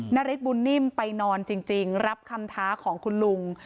นาริสบุญนิ่มไปนอนจริงรับคำท้าของคุณลุง